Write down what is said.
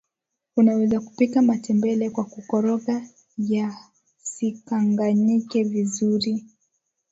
unaweza kupika matembele kwa kukoroga yacganganyike vizuri